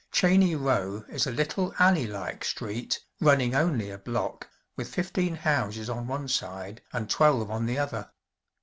Cheyne Row is a little, alley like street, running only a block, with fifteen houses on one side, and twelve on the other.